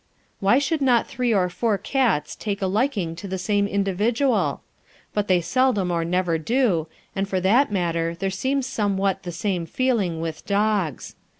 Why should not three or four cats take a liking to the same individual? But they seldom or never do, and for that matter there seems somewhat the same feeling with dogs.